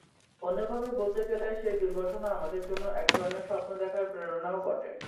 অন্যভাবে বলতে গেলে, সেই দুর্ঘটনা আমাদের জন্য একধরনের স্বপ্ন দেখার প্রেরণাও বটে।